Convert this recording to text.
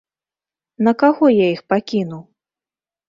На каго я іх пакіну?